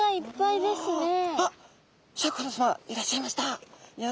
あっシャーク香音さまいらっしゃいました。